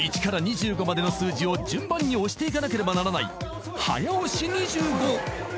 ［１から２５までの数字を順番に押していかなければならない早押し２５］